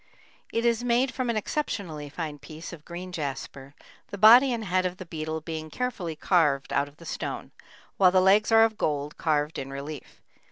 It is made from an exceptionally fine piece of green jasper, the body and head of the beetle being carefully carved out of the stone, while the legs are of gold, carved in relief.